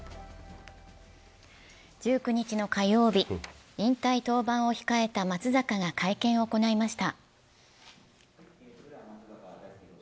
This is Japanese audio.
１９日の火曜日、引退登板を控えた松坂が会見を行いました。